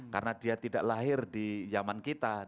karena dia tidak lahir di jaman kita ya